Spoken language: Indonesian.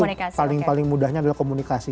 paling paling mudahnya adalah komunikasi